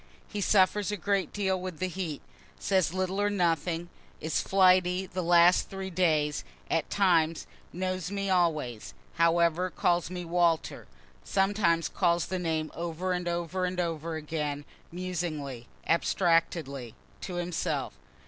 He suffers a great deal with the heat says little or nothing is flighty the last three days, at times knows me always, however calls me "Walter" (sometimes calls the name over and over and over again, musingly, abstractedly, to himself.)